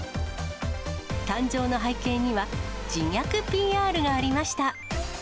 誕生の背景には、自虐ＰＲがありました。